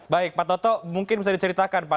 baik pak toto mungkin bisa diceritakan pak